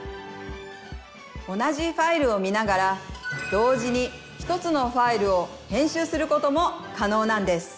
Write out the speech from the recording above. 同じファイルを見ながら同時に１つのファイルを編集することも可能なんです。